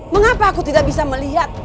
mengapa aku tidak bisa melihat